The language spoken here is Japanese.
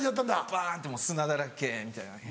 バン！って砂だらけみたいな。